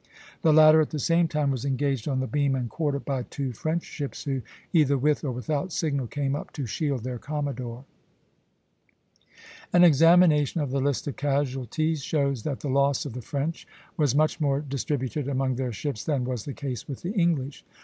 The latter at the same time was engaged on the beam and quarter by two French ships, who, either with or without signal, came up to shield their commodore. An examination of the list of casualties shows that the loss of the French was much more distributed among their ships than was the case with the English.